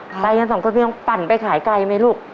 ไปกันสองคนยังปั่นไปขายไกลไหมลูก